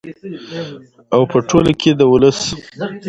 او په ټوله کې د ولس